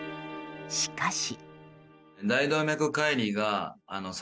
しかし。